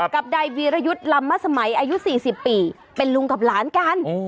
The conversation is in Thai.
กับนายวีรยุทธ์ลำมสมัยอายุ๔๐ปีเป็นลุงกับหลานกัน